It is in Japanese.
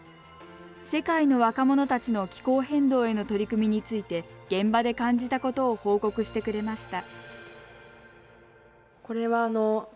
世界の若者たちの気候変動への取り組みについて現場で感じたことを報告してくれました。